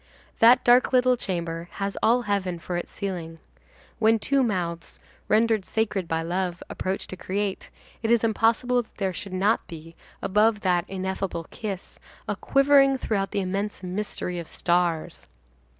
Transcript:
That dark little chamber has all heaven for its ceiling. When two mouths, rendered sacred by love, approach to create, it is impossible that there should not be, above that ineffable kiss, a quivering throughout the immense mystery of stars.